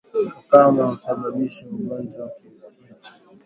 Ukame husababisha ugonjwa wa kimeta